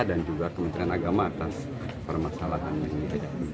dan juga kementerian agama atas permasalahan ini